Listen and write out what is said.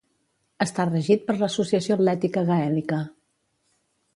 Està regit per l'Associació Atlètica Gaèlica.